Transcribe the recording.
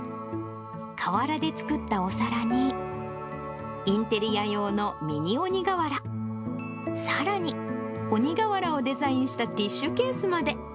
瓦で作ったお皿に、インテリア用のミニ鬼瓦、さらに、鬼瓦をデザインしたティッシュケースまで。